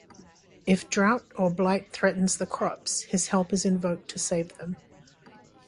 If drought or blight threatens the crops, his help is invoked to save them.